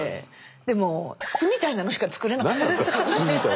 でも筒みたいなのしか作れなかった。